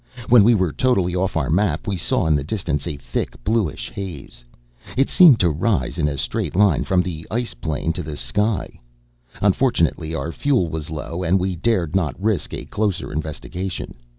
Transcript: When we were totally off our map, we saw in the distance a thick bluish haze. It seemed to rise in a straight line from the ice plain to the sky. Unfortunately our fuel was low and we dared not risk a closer investigation.